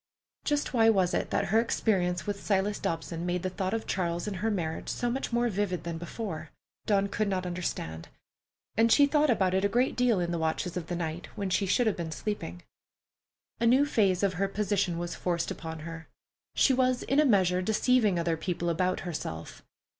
Just why it was that her experience with Silas Dobson made the thought of Charles and her marriage so much more vivid than before, Dawn could not understand, and she thought about it a great deal in the watches of the night, when she should have been sleeping. A new phase of her position was forced upon her: she was in a measure deceiving other people about herself.